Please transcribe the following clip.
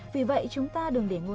vì vậy chúng ta đừng để ngôn ngữ